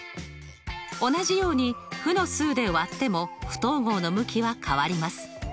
同じように負の数で割っても不等号の向きは変わります。